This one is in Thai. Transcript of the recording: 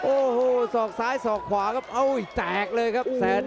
โอ้โหสอกซ้ายสอกขวาครับโอ้ยแตกเลยครับแสน